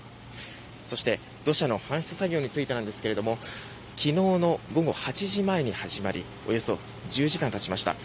そして土砂の搬出作業については昨日の午後８時前に始まりおよそ１０時間経ちました。